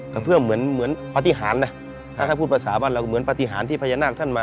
ก็เพื่อเหมือนเหมือนปฏิหารนะถ้าพูดภาษาบ้านเราเหมือนปฏิหารที่พญานาคท่านมา